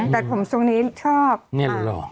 แตดผมทรงนี้ชอบมาก